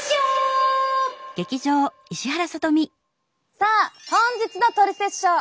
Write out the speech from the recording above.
さあ本日の「トリセツショー」。